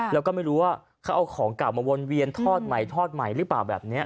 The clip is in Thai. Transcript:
แล้วก็ไม่รู้ว่าเขาเอาของเก่ามาวนเวียนทอดใหม่ทอดใหม่หรือเปล่าแบบนี้